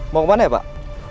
mau kemana ya pak